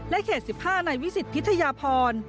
เขต๑๕ในวิสิตพิทยาพร